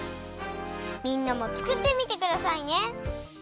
みんなもつくってみてくださいね。